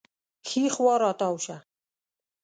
ښي خوا راتاو شه